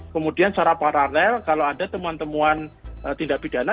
kemudian secara paralel kalau ada temuan temuan tindak pidana